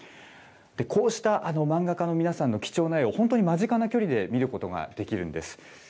こうした漫画家の皆さんの貴重な絵を本当に間近な距離で見ることができるんです。